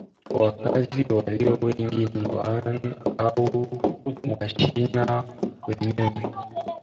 Wakazi walio wengi ni Wahan au Wachina wenyewe